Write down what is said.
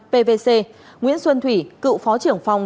pvc nguyễn xuân thủy cựu phó trưởng phòng